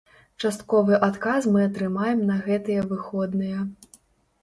Частковы адказ мы атрымаем на гэтыя выходныя.